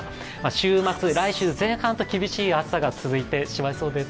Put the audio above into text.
週末、来週前半と厳しい暑さが続いてしまいそうです。